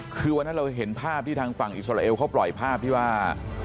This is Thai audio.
คือวันนั้นเราเห็นภาพที่ทางฝั่งอิสราเอลเขาปล่อยภาพที่ว่า